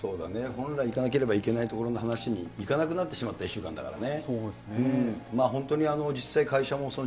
本来いかなければいけないところの話にいかなくなってしまった１週間だからね。